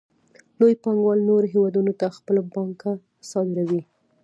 لوی پانګوال نورو هېوادونو ته خپله پانګه صادروي